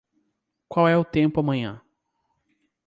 Qual é o tempo amanhã?